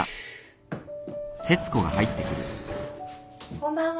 ・・こんばんは。